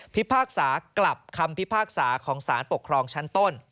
พิพากษากลับคำพิพากษาของสารปกครองชั้นต้น